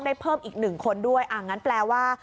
เพิ่มอีกหนึ่งคนด้วยอ่างั้นแปลว่า